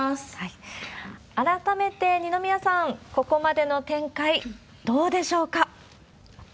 改めて二宮さん、ここまでの展開、どうでしょうか。